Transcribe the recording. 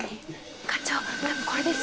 課長多分これです。